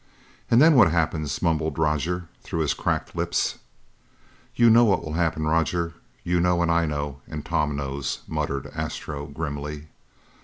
"And then what happens?" mumbled Roger through his cracked lips. "You know what will happen, Roger you know and I know and Tom knows," muttered Astro grimly.